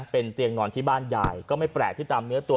เป็นเตียงนอนที่บ้านยายก็ไม่แปลกที่ตามเนื้อตัว